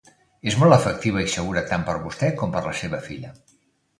És molt efectiva i segura tant per vostè com per a la seva filla.